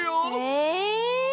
え！